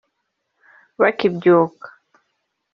Bakibyuka